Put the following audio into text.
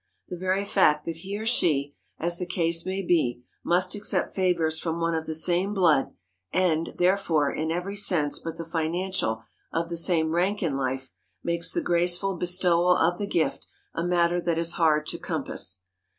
The very fact that he or she, as the case may be, must accept favors from one of the same blood and, therefore, in every sense but the financial, of the same rank in life, makes the graceful bestowal of the gift a matter that is hard to compass.